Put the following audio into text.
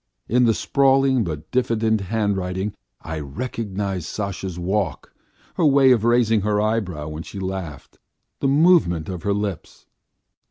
In the sprawling but diffident handwriting I recognised Sasha's walk, her way of raising her eyebrows when she laughed, the movement of her lips.